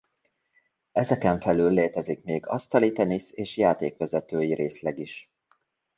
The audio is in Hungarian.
Ezeken felül létezik még asztalitenisz és játékvezetői részleg is.